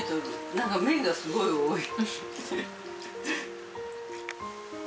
なんか麺がすごく多い。